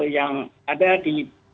yang ada di